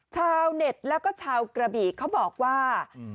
ชาวเน็ตแล้วก็ชาวกระบี่เขาบอกว่า